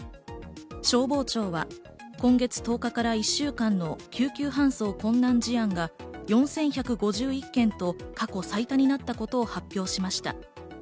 消防庁は今月１０日から１週間の救急搬送困難事案が４１５１件と過去最多になったことを発表しました。